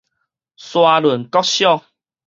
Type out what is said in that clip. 沙崙國小